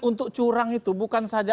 untuk curang itu bukan saja